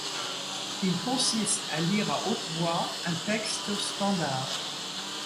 Il consiste à lire à haute voix un texte standard.